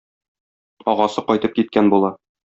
Агасы кайтып киткән була.